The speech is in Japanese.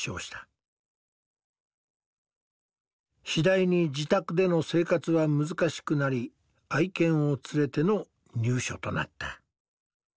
次第に自宅での生活は難しくなり愛犬を連れての入所となった。